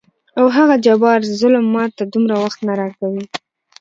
او هغه جبار ظلم ماته دومره وخت نه راکوي.